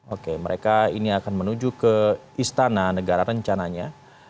oke mereka ini akan menuju ke istana negara rencananya